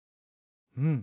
うん。